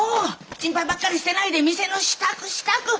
心配ばっかりしてないで店の支度支度。